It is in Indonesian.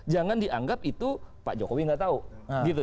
jangan dianggap itu pak jokowi nggak tahu gitu